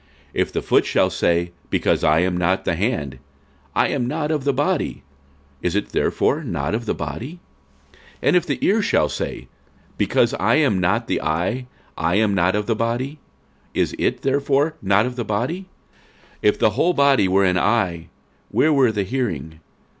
46:012:015 If the foot shall say, Because I am not the hand, I am not of the body; is it therefore not of the body? 46:012:016 And if the ear shall say, Because I am not the eye, I am not of the body; is it therefore not of the body? 46:012:017 If the whole body were an eye, where were the hearing?